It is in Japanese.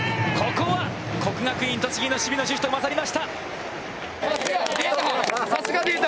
ここは国学院栃木の守備のシフトまさりました。